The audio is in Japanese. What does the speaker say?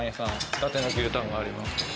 伊達の牛たんがあります。